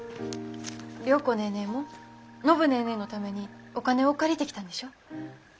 良子ネーネーも暢ネーネーのためにお金を借りてきたんでしょ？